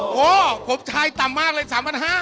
โอ้โหผมใช้ต่ำมากเลย๓๕๐๐บาท